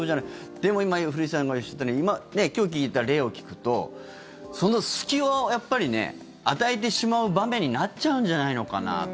でも、今古市さんがおっしゃったように今日聞いた例を聞くとその隙を与えてしまう場面になっちゃうんじゃないのかなって。